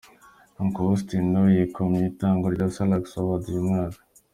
Uncle Austin na we yikomye itangwa rya Salax Awards uyu mwaka.